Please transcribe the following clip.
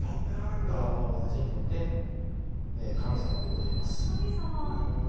これはもう私にとって神様でございます